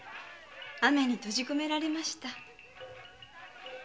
雨に閉じこめられました。